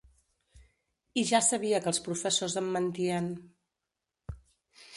I ja sabia que els professors em mentien.